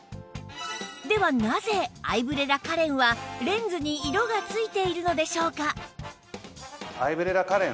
ではなぜアイブレラカレンはレンズに色がついているのでしょうか？